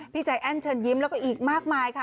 ใจแอ้นเชิญยิ้มแล้วก็อีกมากมายค่ะ